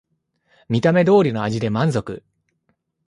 見た目通りの味で満足